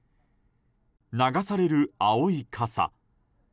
流される青い傘。